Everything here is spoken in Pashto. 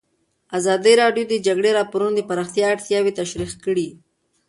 ازادي راډیو د د جګړې راپورونه د پراختیا اړتیاوې تشریح کړي.